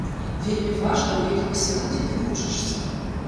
Вельмі важна, у якім асяроддзі ты вучышся.